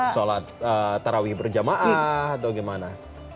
solat terawih berjamaah atau gimana